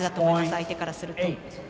相手からすると。